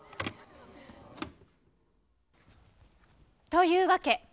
というわけ。